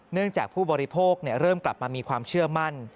จากผู้บริโภคเริ่มกลับมามีความเชื่อมั่น